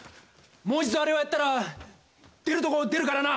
もう一度あれをやったら出るとこ出るからな！